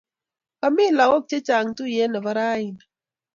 Komii lakok che chang tuyee ne bo raini.